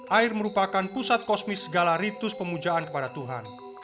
air merupakan pusat kosmis segala ritus pemujaan kepada tuhan